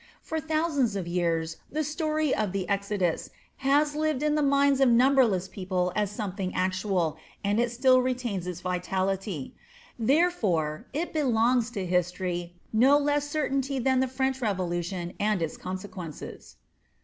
For thousands of years the story of the Exodus has lived in the minds of numberless people as something actual, and it still retains its vitality. Therefore it belongs to history no less certainty than the French Revolution and its consequences."